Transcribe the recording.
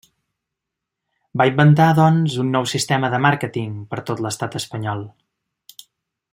Va inventar, doncs, un nou sistema de màrqueting per tot l'Estat espanyol.